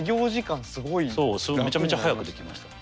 そうめちゃめちゃ早くできました。